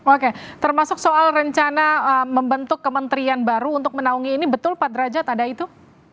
oke termasuk soal rencana membentuk kementerian baru untuk menaungi ini betul pak derajat ada itu